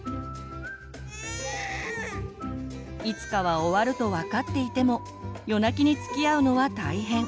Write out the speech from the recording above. いつかは終わると分かっていても夜泣きにつきあうのは大変。